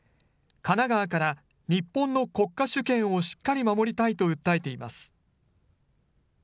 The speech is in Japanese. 神奈川から日本の国家主権をしっかり守りたいと訴えています。